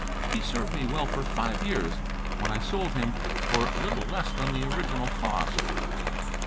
He served me well for five years, when I sold him for little less than the original cost.